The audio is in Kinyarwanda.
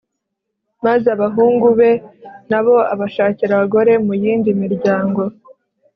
maze abahungu be na bo abashakira abagore mu yindi miryango